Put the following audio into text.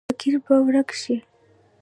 فقر به ورک شي؟